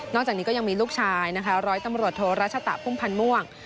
จากนี้ก็ยังมีลูกชายนะคะร้อยตำรวจโทรัชตะพุ่มพันธ์ม่วง